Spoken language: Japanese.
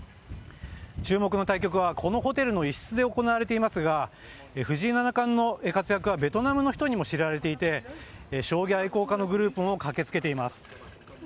注目の対局はこのホテルの一室で行われていますが、藤井七冠の活躍はベトナムの人にも知られていて、将棋愛好家のグループも駆けつけています。